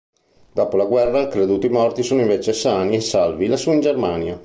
Dopo la guerra, creduti morti, sono invece sani e salvi, lassù in Germania.